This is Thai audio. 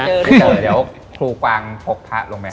ไม่เจอเดี๋ยวครูกวางพกพะลงไปให้